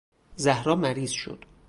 زهرا مریض شد.